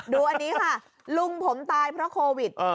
ดูอันนี้ค่ะลุงผมตายเพราะโควิด